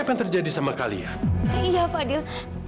apa yang terjadi sama kalian iya fadil